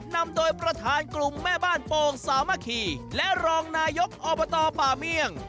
นำโดยประธานกลุ่มแม่บ้านโป่งสามัคคีและรองนายกอบตป่าเมี่ยง